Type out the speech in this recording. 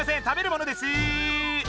食べるものです！